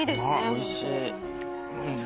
おいしい。